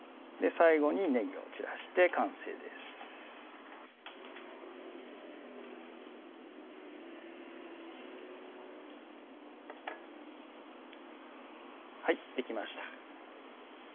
最後にねぎを散らして完成ですはいできました